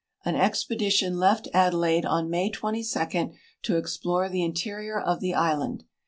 An expedition left Adelaide on May 22 to explore the in terior of the island.